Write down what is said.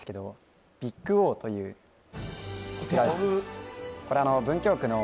こちらですね